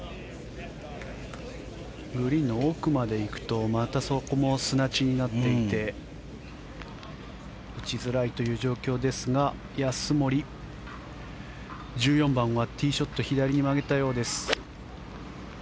グリーンの奥まで行くとまたそこも砂地になっていて打ちづらいという状況ですが安森、１４番はティーショット左に曲げたようです。